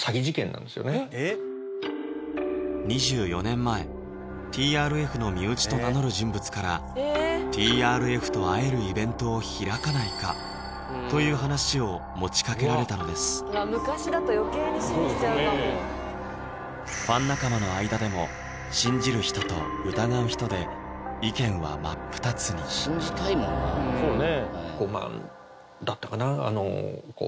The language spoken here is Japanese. ２４年前「ＴＲＦ」の身内と名乗る人物から「ＴＲＦ」と会えるイベントを開かないか？という話を持ちかけられたのです昔だと余計に信じちゃうかも信じる人と疑う人で信じたいもんなそうね